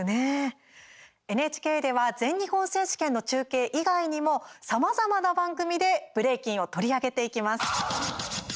ＮＨＫでは全日本選手権の中継以外にもさまざまな番組でブレイキンを取り上げていきます。